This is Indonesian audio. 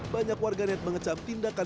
banyak warganet mengecap tindakan